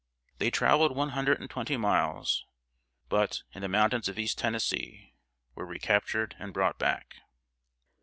They traveled one hundred and twenty miles, but, in the mountains of East Tennessee, were recaptured and brought back.